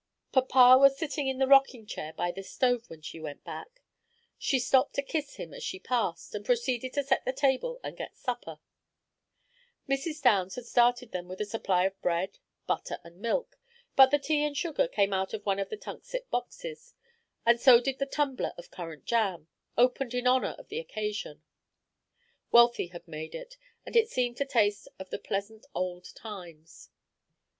Papa was sitting in the rocking chair, by the stove, when she went back. She stopped to kiss him as she passed, and proceeded to set the table and get supper. Mrs. Downs had started them with a supply of bread, butter, and milk; but the tea and sugar came out of one of the Tunxet boxes, and so did the tumbler of currant jam, opened in honor of the occasion. Wealthy had made it, and it seemed to taste of the pleasant old times.